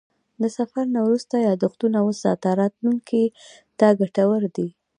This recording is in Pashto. د سفر نه وروسته یادښتونه وساته، راتلونکي ته ګټور دي.